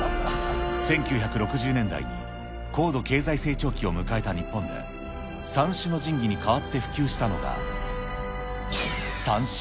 １９６０年代に高度経済成長期を迎えた日本で、三種の神器に代わって普及したのが、３Ｃ。